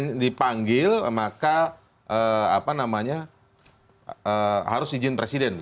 kalau dipanggil maka harus izin presiden